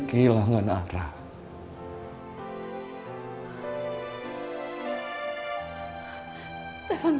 aku masih masih nonton sebitumen